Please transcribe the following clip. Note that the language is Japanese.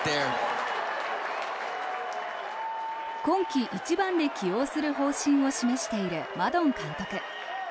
今季、１番で起用する方針を示しているマドン監督。